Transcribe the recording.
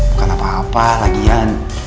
bukan apa apa lagian